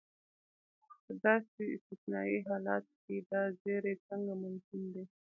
په داسې استثنایي حالتو کې دا زیری څنګه ممکن دی.